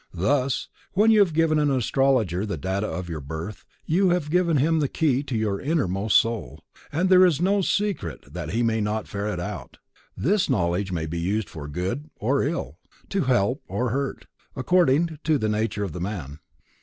Thus, when you have given an astrologer the data of your birth, you have given him the key to your innermost soul, and there is no secret that he may not ferret out. This knowledge may be used for good or ill, to help or hurt, according to the nature of the man.